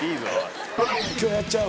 今日やっちゃう？